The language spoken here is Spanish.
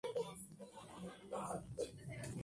Se transmite por Telefe.